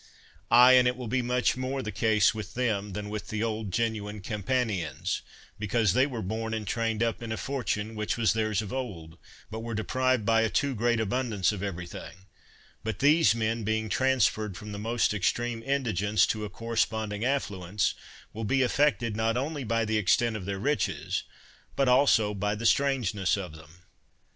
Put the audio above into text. Aye, and it will be much more the case with them, than with the old genuine Campanians, because they were bom and trained up in a fortune which was theirs of old, but were deprived by a too great abundance of everything ; but these men, being transferred from the most extreme indigence to a correspond ing affluence, will be affected, not only by the extent of their riches, but also by the strangeness of them.